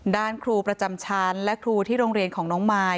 ครูประจำชั้นและครูที่โรงเรียนของน้องมาย